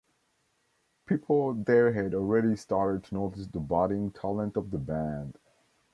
People there had already started to notice the budding talent of the band.